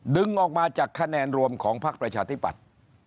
ดึงออกมาจากคะแนนรวมของพักประชาธิปัตย์